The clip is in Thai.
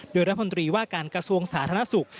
โดยรัฐมนตรีว่าการกระทรวงสาธารณสุข